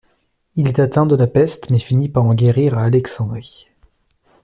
Il est atteint de la peste mais finit par en guérir à Alexandrie.